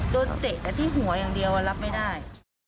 เตะแต่ที่หัวอย่างเดียวรับไม่ได้